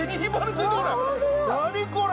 何これ！